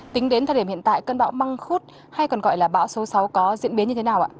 tính đến thời điểm hiện tại cơn bão măng khuốt hay còn gọi là bão số sáu có diễn biến như thế nào ạ